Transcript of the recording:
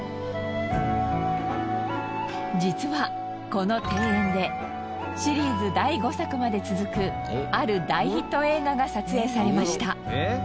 実はこの庭園でシリーズ第５作まで続くある大ヒット映画が撮影されました。